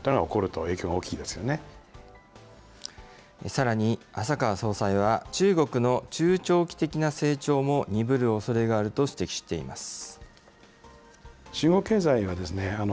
さらに、浅川総裁は中国の中長期的な成長も鈍るおそれがあると指摘しています。